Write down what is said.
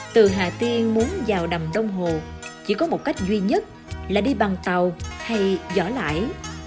từ hà tiên muốn vào đầm đông hồ chỉ có một cách duy nhất là đi bằng tàu hay dõi lại